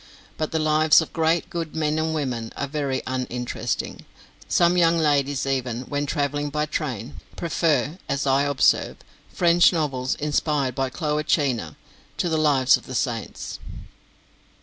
But the lives of great and good men and women are very uninteresting; some young ladies even, when travelling by train, prefer, as I observe, French novels inspired by Cloacina to the "Lives of the Saints."